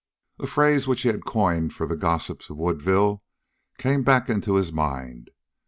A phrase which he had coined for the gossips of Woodville, came back into his mind.